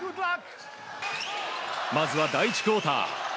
まずは第１クオーター。